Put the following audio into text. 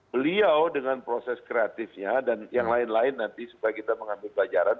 beliau dengan proses kreatifnya dan yang lain lain nanti supaya kita mengambil pelajaran